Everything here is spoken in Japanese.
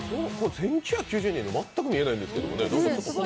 １９８０円に全然見えないんですけどね。